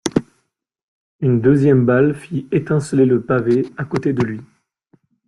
Une deuxième balle fit étinceler le pavé à côté de lui.